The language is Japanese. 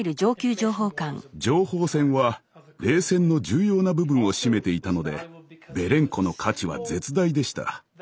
情報戦は冷戦の重要な部分を占めていたのでベレンコの価値は絶大でした。